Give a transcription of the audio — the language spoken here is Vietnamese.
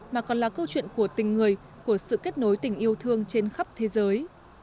mà còn là câu chuyện của tình người của sự kết nối tình yêu thương trên khắp thế giới